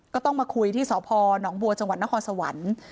ก็ต้องมาคุยที่สพหนองบัวจังหวัดนครสวรรค์